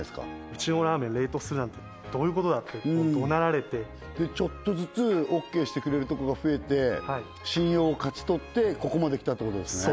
「うちのラーメン冷凍するなんてどういうことだ」ってどなられてちょっとずつＯＫしてくれる所が増えて信用を勝ち取ってここまで来たってことですね